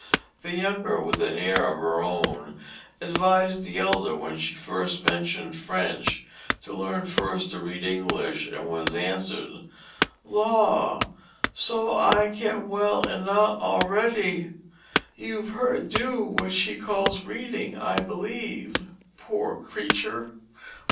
The younger with an air of her own advis'd the elder when she first mention'd French to learn first to read English and was answer'd, 'Law, so I can well eno' a'ready.' You've heard her do what she calls reading, I believe. Poor Creature!